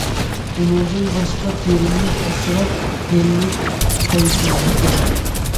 ئۇنىڭدىن باشقا، تېرىنى ئاسراپ، يەللىك قايتۇرىدىكەن.